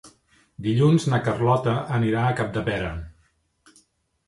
Dilluns na Carlota anirà a Capdepera.